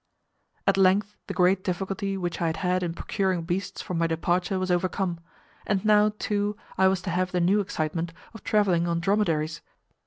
At length the great difficulty which I had had in procuring beasts for my departure was overcome, and now, too, I was to have the new excitement of travelling on dromedaries.